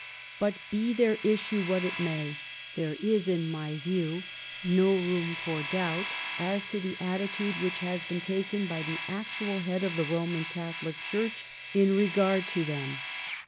But be their issue what it may, there is, in my view, no room for doubt as to the attitude which has been taken by the actual head of the Roman Catholic Church in regard to them.